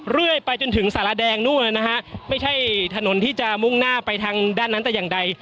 เรื่อยไปจนถึงสารแดงนู่นนะฮะไม่ใช่ถนนที่จะมุ่งหน้าไปทางด้านนั้นแต่อย่างใด